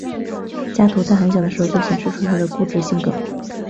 加图在很小的时候就显示出他的固执性格。